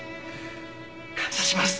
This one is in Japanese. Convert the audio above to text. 感謝します。